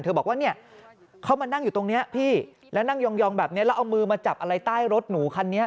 บอกว่าเนี่ยเขามานั่งอยู่ตรงนี้พี่แล้วนั่งยองแบบนี้แล้วเอามือมาจับอะไรใต้รถหนูคันนี้